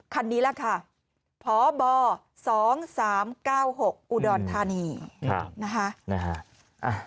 คันนี้แหละค่ะพบ๒๓๙๖อุดรธานีนะคะ